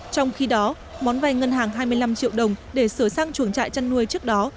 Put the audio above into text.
trong khi đó món vay ngân hàng hai mươi năm triệu đồng để sửa sang chuồng trại chăn nuôi trước đó